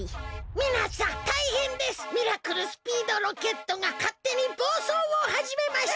「みなさんたいへんです！ミラクルスピードロケットがかってにぼうそうをはじめました」。